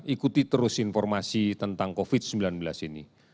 ikuti terus informasi tentang covid sembilan belas ini